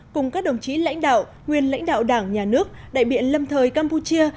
cùng các đồng chí lãnh đạo nguyên lãnh đạo đảng nhà nước đại biện lâm thời campuchia